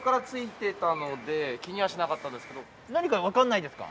気にはしなかったんですけど何か分かんないですか？